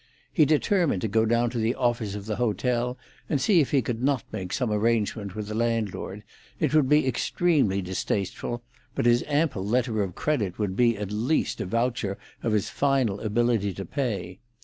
He determined to go down to the office of the hotel, and see if he could not make some arrangement with the landlord. It would be extremely distasteful, but his ample letter of credit would be at least a voucher of his final ability to pay.